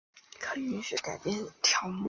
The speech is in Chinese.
可允许编辑与修改条目。